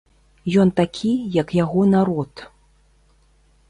Ён такі, як яго народ.